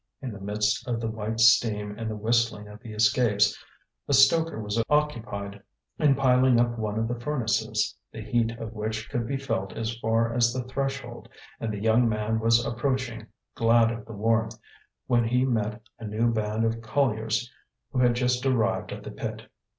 In the midst of the white steam and the whistling of the escapes a stoker was occupied in piling up one of the furnaces, the heat of which could be felt as far as the threshold; and the young man was approaching, glad of the warmth, when he met a new band of colliers who had just arrived at the pit.